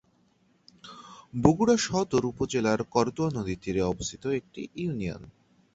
বগুড়া সদর উপজেলার করতোয়া নদীর তীরে অবস্থিত একটি ইউনিয়ন।